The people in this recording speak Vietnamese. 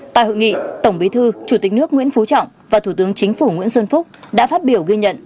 tại hội nghị tổng bí thư chủ tịch nước nguyễn phú trọng và thủ tướng chính phủ nguyễn xuân phúc đã phát biểu ghi nhận